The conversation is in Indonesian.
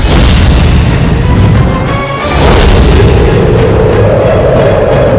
aku akan memberikanmu kembang